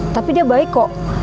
tapi dia baik kok